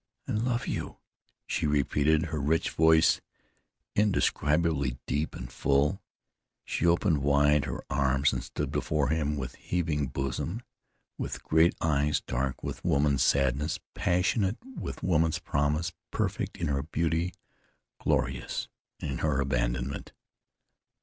"I love you," she repeated, her rich voice indescribably deep and full. She opened wide her arms and stood before him with heaving bosom, with great eyes dark with woman's sadness, passionate with woman's promise, perfect in her beauty, glorious in her abandonment.